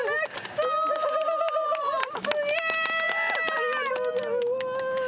ありがとうございます。